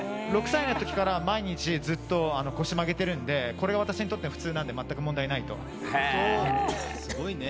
６歳の時から毎日ずっと、腰を曲げてるのでこれが私にとっての普通なのですごいね。